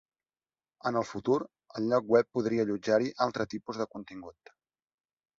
En el futur, el lloc web podria allotjar-hi altre tipus de contingut.